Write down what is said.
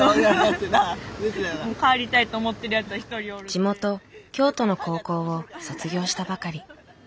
地元京都の高校を卒業したばかり。